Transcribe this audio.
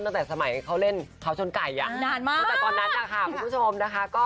ตั้งแต่สมัยเล่นเคราะห์ชนไก่